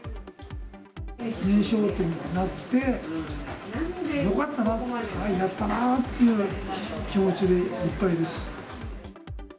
認証店になってよかったなと、やったなー！という気持ちでいっぱいです。